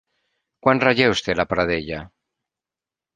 Quants relleus té la predel·la?